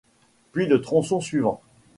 Puis le tronçon suivant.